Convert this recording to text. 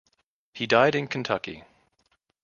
He died in Kentucky.